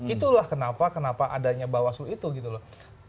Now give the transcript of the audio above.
itulah kenapa kenapa adanya bawaslu itu gitu loh